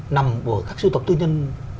nằm ở các sưu tập tư nhân